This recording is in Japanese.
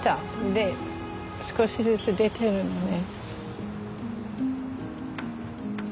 で少しずつ出てるのね。